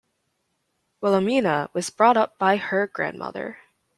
Wilhelmina was brought up by her grandmother.